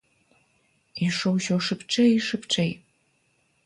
Ішоў усё шыбчэй і шыбчэй.